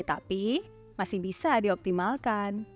tapi masih bisa dioptimalkan